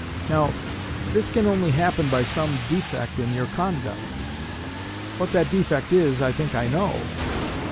Now, this can only happen by some defect in your conduct. What that defect is, I think I know.